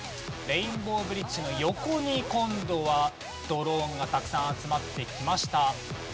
レインボーブリッジの横に今度はドローンがたくさん集まってきました。